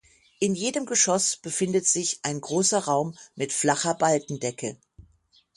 In jedem Geschoss befindet sich ein großer Raum mit flacher Balkendecke.